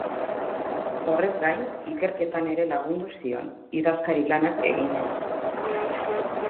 Horrez gain, ikerketetan ere lagundu zion, idazkari-lanak eginez.